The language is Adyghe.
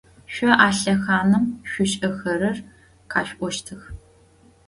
Шъо а лъэхъаным шъушӏэхэрэр къэшъуӏощтых.